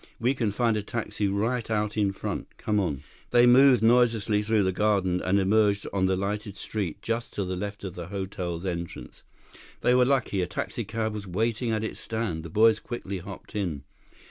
We can find a taxi right out front. Come on." They moved noiselessly through the garden, and emerged on the lighted street just to the left of the hotel's entrance. They were lucky. A taxicab was waiting at its stand. The boys quickly hopped in.